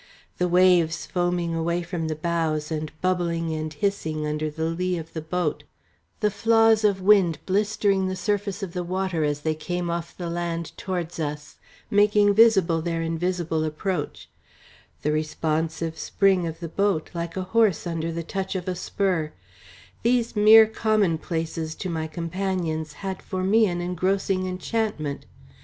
The waves foaming away from the bows and bubbling and hissing under the lee of the boat, the flaws of wind blistering the surface of the water as they came off the land towards us, making visible their invisible approach; the responsive spring of the boat, like a horse under the touch of a spur these mere commonplaces to my companions had for me an engrossing enchantment.